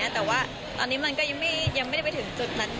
แต่ว่าตอนนี้มันก็ยังไม่ได้ไปถึงจุดนั้น